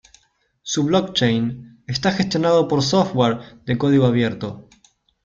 Su "blockchain" está gestionado por software de código abierto.